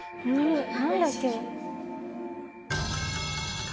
・何だっけ？